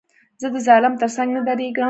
زه د ظالم تر څنګ نه درېږم.